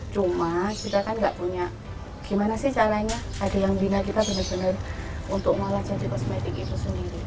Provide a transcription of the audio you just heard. cuma kita kan nggak punya gimana sih caranya ada yang bina kita benar benar untuk mengolah janji kosmetik itu sendiri